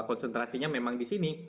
konsentrasinya memang di sini